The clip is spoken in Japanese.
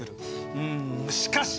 うんしかし！